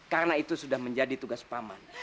karena itu sudah menjadi tugas paman